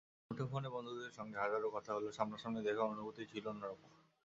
মুঠোফোনে বন্ধুদের সঙ্গে হাজারো কথা হলেও সামনাসামনি দেখার অনুভূতিই ছিল অন্য রকম।